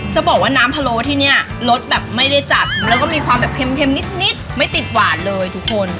จะบอกว่าน้ำพะโล้ที่นี่รสแบบไม่ได้จัดแล้วก็มีความแบบเค็มนิดไม่ติดหวานเลยทุกคน